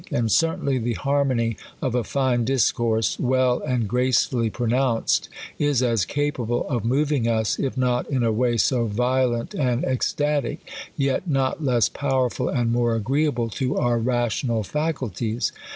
And certainly the harmony of a fine discourse, well and gracefully pro nounced, is as capable of moving us, if not in a way so violent and ecstatic, yet not less powerful, and more agreeable to our rational faculties.